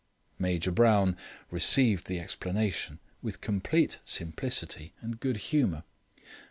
Major Brown received the explanation with complete simplicity and good humour.